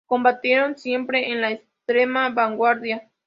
Combatieron siempre en la extrema vanguardia.